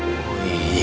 kau juga bisa berusaha